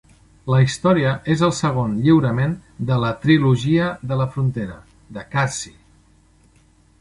La història és el segon lliurament de la "Trilogia de la frontera" de Caazi.